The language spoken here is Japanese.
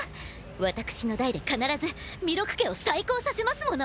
私の代で必ず弥勒家を再興させますもの。